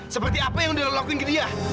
seperti apa yang udah lo lakuin ke dia